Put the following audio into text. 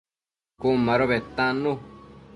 Cun mado bedtannu